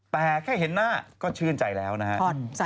แต่แค่เห็นหน้าก็ชื่นใจแล้วนะครับ